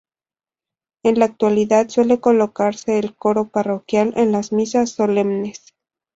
En la actualidad suele colocarse el coro parroquial en las misas solemnes.